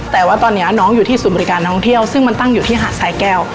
แต่ว่าตอนนี้น้องอยู่ที่ศูนย์บริการท่องเที่ยวซึ่งมันตั้งอยู่ที่หาดสายแก้ว